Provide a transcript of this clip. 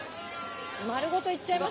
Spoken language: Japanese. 丸ごといっちゃいます。